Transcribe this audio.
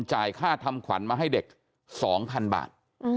จ่ายค่าทำขวัญมาให้เด็ก๒๐๐๐บาท